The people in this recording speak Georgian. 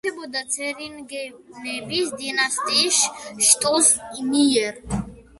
იმართებოდა ცერინგენების დინასტიის შტოს მიერ.